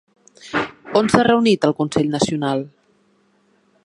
On s'ha reunit el Consell Nacional?